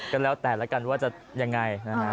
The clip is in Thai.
ก็แล้วแต่ละกันว่าจะยังไงนะฮะ